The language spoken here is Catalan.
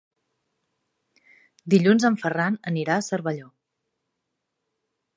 Dilluns en Ferran anirà a Cervelló.